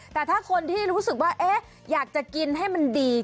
แต่ถ้าคนที่รู้สึกว่าอยากจะกินให้มันดี